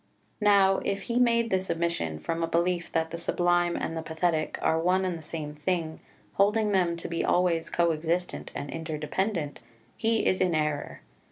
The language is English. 2 Now if he made this omission from a belief that the Sublime and the Pathetic are one and the same thing, holding them to be always coexistent and interdependent, he is in error.